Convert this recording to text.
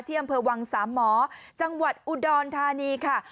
อำเภอวังสามหมอจังหวัดอุดรธานีค่ะ